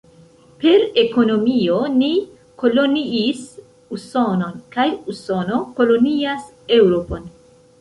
Per ekonomio ni koloniis Usonon kaj Usono kolonias Eŭropon.